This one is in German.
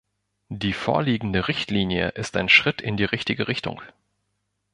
Die vorliegende Richtlinie ist ein Schritt in die richtige Richtung.